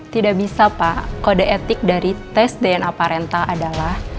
tidak bisa pak kode etik dari tes dna parenta adalah